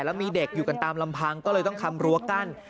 แล้วมีเด็กอยู่กันตามลำพังก็เลยต้องทำรั้วกั้น